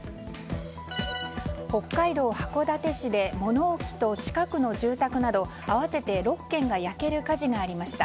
北海道函館市で物置と近くの住宅など合わせて６軒が焼ける火事がありました。